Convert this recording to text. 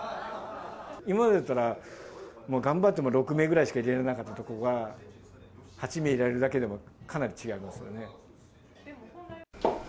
今までだったら、もう頑張っても６名ぐらいしか入れられなかったところが、８名入れられるだけでもかなり違いますよね。